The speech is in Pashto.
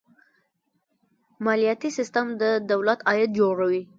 مالیاتي سیستم د دولت عاید جوړوي.